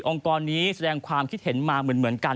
กรนี้แสดงความคิดเห็นมาเหมือนกัน